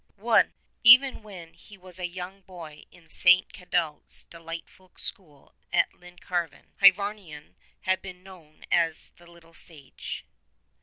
E ven when he was a young boy in St. Cadoc's delightful school at Llancarvan, Hyvarnion had been known as the Little Sage.